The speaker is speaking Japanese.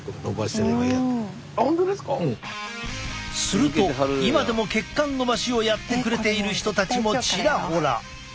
すると今でも血管のばしをやってくれている人たちもチラホラ。